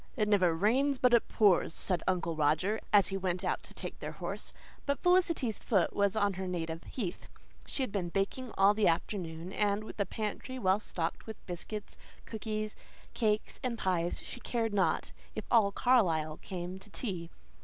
"It never rains but it pours," said Uncle Roger, as he went out to take their horse. But Felicity's foot was on her native heath. She had been baking all the afternoon, and, with a pantry well stocked with biscuits, cookies, cakes, and pies, she cared not if all Carlisle came to tea.